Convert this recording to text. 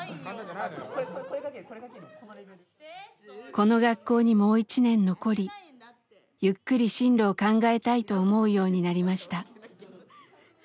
この学校にもう１年残りゆっくり進路を考えたいと思うようになりました。